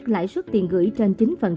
lãi suất tiền gửi trên chín